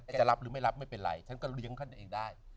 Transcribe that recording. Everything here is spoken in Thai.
จะรับหรือไม่รับไม่เป็นไรฉันก็เลี้ยงท่านเองได้